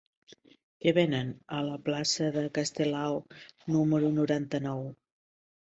Què venen a la plaça de Castelao número noranta-nou?